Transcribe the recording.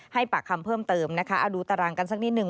ให้ปากคำเพิ่มเติมนะคะเอาดูตารางกันสักนิดหนึ่ง